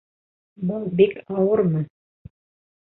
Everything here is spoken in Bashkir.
Был бик ауырмы?